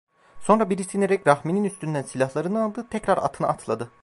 Sonra birisi inerek Rahmi'nin üstünden silahlarını aldı, tekrar atına atladı.